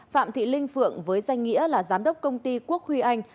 phạm thị linh phượng với danh nghĩa là giám đốc công ty quốc huy anh